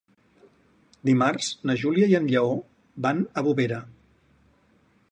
Dimarts na Júlia i en Lleó van a Bovera.